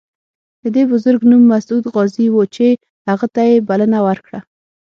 د دې بزرګ نوم مسعود غازي و چې هغه ته یې بلنه ورکړه.